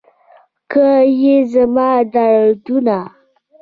که یې زما دردونه